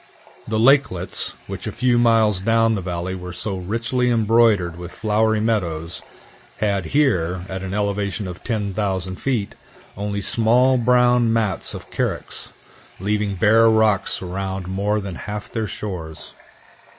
The lakelets, which a few miles down the valley were so richly embroidered with flowery meadows, had here, at an elevation of 10,000 feet, only small brown mats of carex, leaving bare rocks around more than half their shores.